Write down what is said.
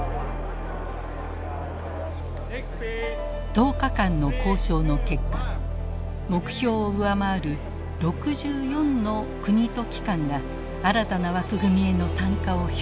１０日間の交渉の結果目標を上回る６４の国と機関が新たな枠組みへの参加を表明。